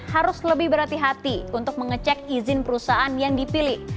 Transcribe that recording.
harus lebih berhati hati untuk mengecek izin perusahaan yang dipilih